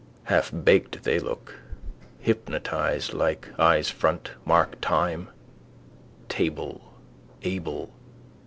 Half baked they look: hypnotised like. Eyes front. Mark time. Table: able.